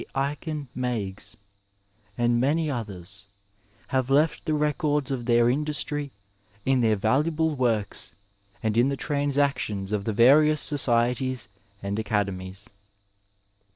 Aiken Meigs and many others have left the records of their industry in their valuable w<»rkB and in the Transao^ tions of the various societies and academies.